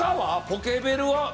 ポケベルは？